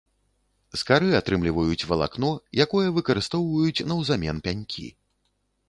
З кары атрымліваюць валакно, якое выкарыстоўваюць наўзамен пянькі.